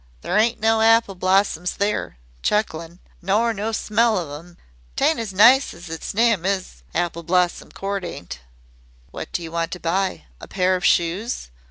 "There ain't no apple blossoms there," chuckling; "nor no smell of 'em. 'T ain't as nice as its nime is Apple Blossom Court ain't." "What do you want to buy? A pair of shoes?"